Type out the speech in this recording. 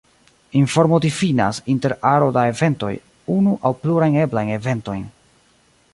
Informo difinas, inter aro da eventoj, unu aŭ plurajn eblajn eventojn.